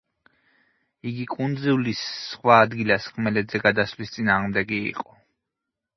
იგი კუნძულის სხვა ადგილას ხმელეთზე გადასვლის წინააღმდეგი იყო.